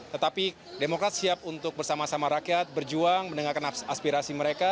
tetapi demokrat siap untuk bersama sama rakyat berjuang mendengarkan aspirasi mereka